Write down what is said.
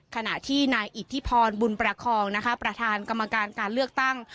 ขณะที่นายอิทธิพรบุญประคองนะคะประธานกรรมการการเลือกตั้ง